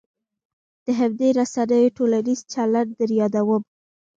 د همدې رسنیو ټولنیز چلن در یادوم.